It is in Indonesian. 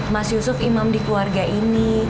mas yusuf imam di keluarga ini